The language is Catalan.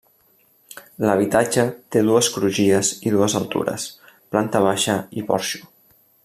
L’habitatge té dues crugies i dues altures: planta baixa i porxo.